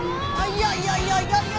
あいやいやいや。